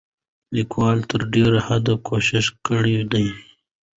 لیکوال تر ډېره حده کوښښ کړی دی،